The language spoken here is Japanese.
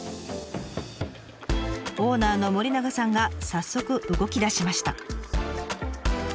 オーナーの森永さんが早速動きだしました。